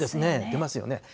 出ますよね。